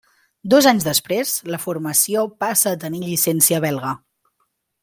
Dos anys després, la formació passa a tenir llicència belga.